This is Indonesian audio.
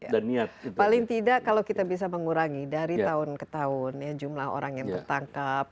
ya paling tidak kalau kita bisa mengurangi dari tahun ke tahun jumlah orang yang tertangkap